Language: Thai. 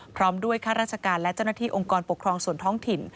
พร้อมด้วยข้าราชการและเจ้าหน้าที่องค์กรปกครองส่วนท้องถิ่น